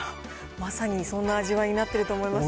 まさにそんな味わいになっていると思います。